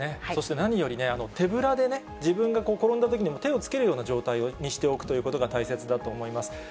そして何よりね、手ぶらでね、自分が転んだときに手をつけるような状態にしておくということが大切だと思います。